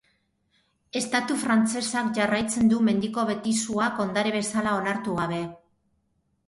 Estatu Frantsesak jarraitzen du mendiko betizuak ondare bezala onartu gabe.